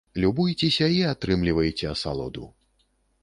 Любуйцеся і атрымлівайце асалоду!